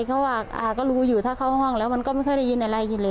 เขาว่าก็รู้อยู่ถ้าเข้าห้องแล้วมันก็ไม่เคยได้ยินอะไรอยู่แล้ว